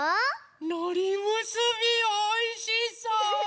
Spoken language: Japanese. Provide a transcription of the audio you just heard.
のりむすびおいしそう！